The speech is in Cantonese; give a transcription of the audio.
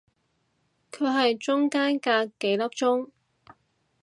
佢係中間隔幾粒鐘